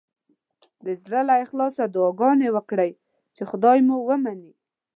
د زړه له اخلاصه دعاګانې وکړئ چې خدای مو ومني.